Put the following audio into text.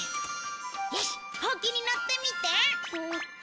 よしホウキに乗ってみて。